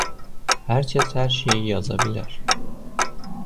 Hər kəs hər şey yaza bilər.